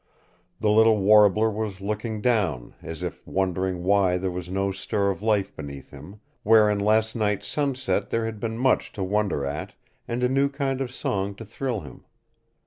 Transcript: The little warbler was looking down, as if wondering why there was no stir of life beneath him, where in last night's sunset there had been much to wonder at and a new kind of song to thrill him.